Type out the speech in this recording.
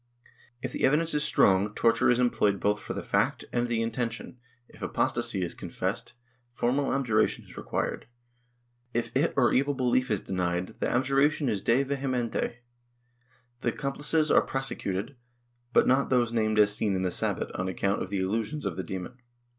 If the evidence is strong, torture is em ployed both for the fact and the intention ; if apostasy is confessed, formal abjuration is required; if it or evil belief is denied, the abjuration is de vehementi; the accomplices are prosecuted, but not those named as seen in the Sabbat, on account of the illusions of the demon.